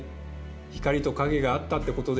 光と影があったってことでしょうか。